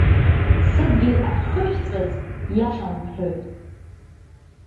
Сыдгьыл ахьхышәҵәаз, иашам бҳәоит.